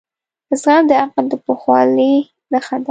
زغم د عقل د پخوالي نښه ده.